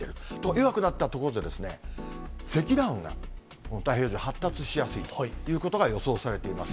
弱くなった所で、積乱雲が太平洋上、発達しやすいということが予想されています。